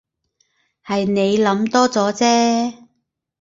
係你諗多咗啫